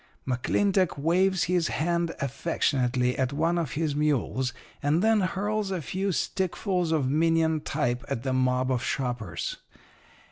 "McClintock waves his hand affectionately at one of his mules, and then hurls a few stickfuls of minion type at the mob of shoppers.